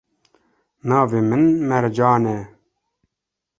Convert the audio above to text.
Navê min Mercan e.